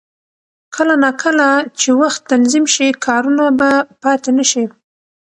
کله نا کله چې وخت تنظیم شي، کارونه به پاتې نه شي.